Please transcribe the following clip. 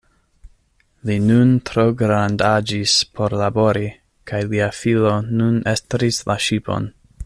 Li nun trograndaĝis por labori, kaj lia filo nun estris la ŝipon.